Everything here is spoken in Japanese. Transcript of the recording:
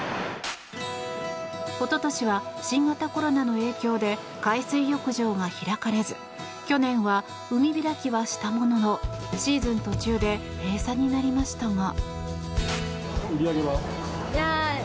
おととしは新型コロナの影響で海水浴場が開かれず去年は海開きはしたもののシーズン途中で閉鎖になりましたが。